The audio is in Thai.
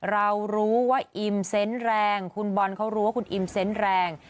เรารู้ว่าอิมเซนต์แรงคุณบอลเขารู้ว่าคุณอิมเซนต์แรง